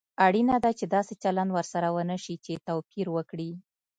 اړینه ده چې داسې چلند ورسره ونشي چې توپير وکړي.